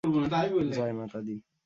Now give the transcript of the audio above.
জয় মাতা দি!